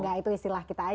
enggak itu istilah kita aja